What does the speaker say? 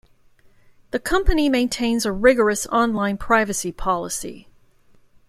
The company maintains a rigorous online privacy policy.